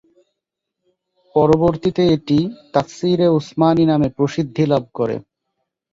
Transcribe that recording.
পরবর্তীতে এটি "তাফসীরে উসমানী" নামে প্রসিদ্ধি লাভ করে।